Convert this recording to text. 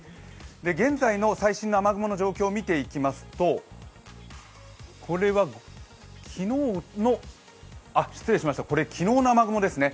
現在の最新の雨雲の状況を見ていきますとこれは昨日、失礼しました、昨日の雨雲ですね。